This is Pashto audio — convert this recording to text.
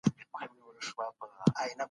هغه کولای سي د ملی وحدت لپاره مسیر پرېکړه وکړي.